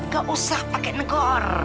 gak usah pake negor